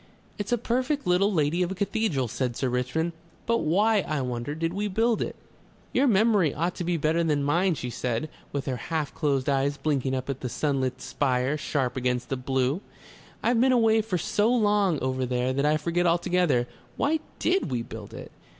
"It's a perfect little lady of a cathedral," said Sir Richmond. "But why, I wonder, did we build it?" "Your memory ought to be better than mine," she said, with her half closed eyes blinking up at the sunlit spire sharp against the blue. "I've been away for so long over there that I forget altogether. Why DID we build it?"